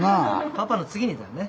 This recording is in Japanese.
パパの次にだよね。